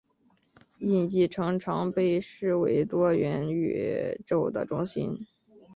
印记城常被视为多元宇宙的中心。